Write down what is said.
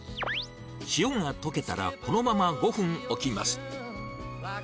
塩が溶けたら、このまま５分置きます。